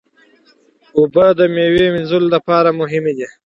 اوبه د میوې وینځلو لپاره مهمې دي.